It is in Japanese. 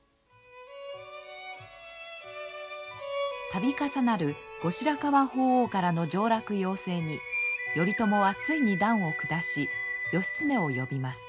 度重なる後白河法皇からの上洛要請に頼朝はついに断を下し義経を呼びます。